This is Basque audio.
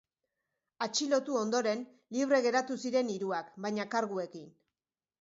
Atxilotu ondoren, libre geratu ziren hiruak, baina karguekin.